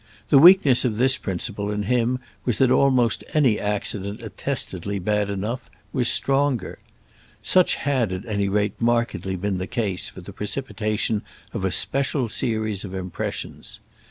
The weakness of this principle in him was that almost any accident attestedly bad enough was stronger. Such had at any rate markedly been the case for the precipitation of a special series of impressions.